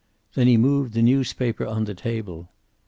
Then he moved the newspaper on the table.